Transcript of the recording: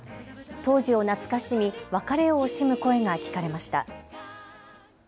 当時を懐かしみ別れを惜しむ声が聞かれました。